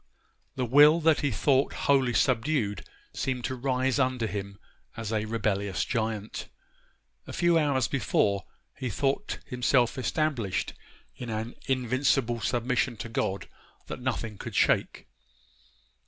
The will that he thought wholly subdued seemed to rise under him as a rebellious giant. A few hours before he thought himself established in an invincible submission to God that nothing could shake.